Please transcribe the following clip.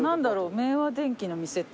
明和電機の店って。